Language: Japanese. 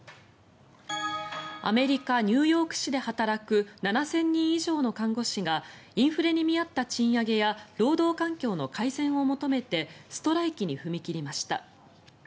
アメリカ・ニューヨーク市で働く７０００人以上の看護師がインフレに見合った賃上げや労働環境の改善を求めてストライキに踏み切りました。